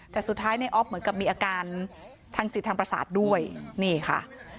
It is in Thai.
แต่สุดท้ายในออฟเหมือนกับมีอาการทางจิตทางประสาทด้วยนี่ค่ะ